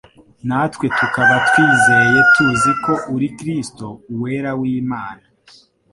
Natwe tukaba twizeye tuzi ko uri Kristo, Uwera w'Imana.»